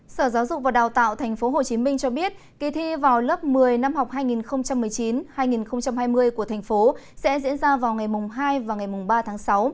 sở giáo dục và đào tạo tp hcm cho biết kỳ thi vào lớp một mươi năm học hai nghìn một mươi chín hai nghìn hai mươi của thành phố sẽ diễn ra vào ngày hai và ngày ba tháng sáu